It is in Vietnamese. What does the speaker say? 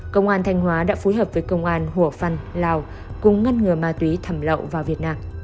công an thanh hóa đã phối hợp với công an hủa phăn lào cùng ngăn ngừa ma túy thẩm lậu vào việt nam